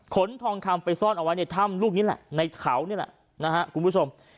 ทองคำไปซ่อนเอาไว้ในถ้ำลูกนี้แหละในเขานี่แหละนะฮะคุณผู้ชม